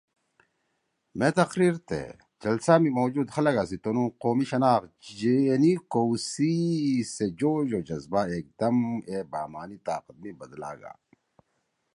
مے تقریر تے جلسہ می موجود خلَگا سی تنُو قومی شناخت جینی کؤ سی سے جوش او جزبہ ایکدم اے بامعنی طاقت می بدلاگا